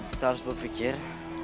kita harus berpikir